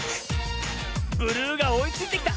ブルーがおいついてきた。